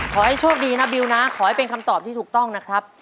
ขอให้โชคดีนะบิวนะขอให้เป็นคำตอบที่ถูกต้องนะครับ